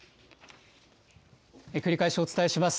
繰り返しお伝えします。